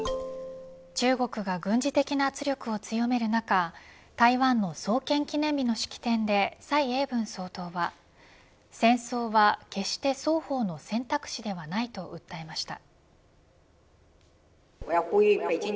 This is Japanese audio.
中国が軍事的な圧力を強める中台湾の創建記念日の式典で蔡英文総統は戦争は、決して双方の選択肢ではないと訴えました。